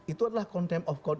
itu adalah konten of code